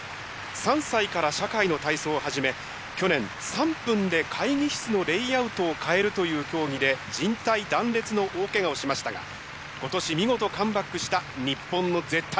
３歳から社会の体操を始め去年「３分で会議室のレイアウトを変える」という競技でじん帯断裂の大けがをしましたが今年見事カムバックした日本の絶対王者です。